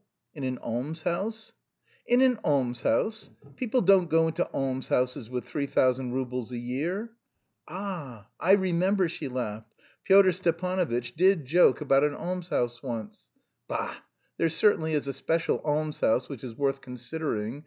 "In an almshouse?" "In an almshouse? People don't go into almshouses with three thousand roubles a year. Ah, I remember," she laughed. "Pyotr Stepanovitch did joke about an almshouse once. Bah, there certainly is a special almshouse, which is worth considering.